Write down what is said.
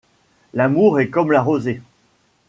L'amour est comme la rosée